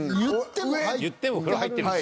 いっても風呂入ってるし。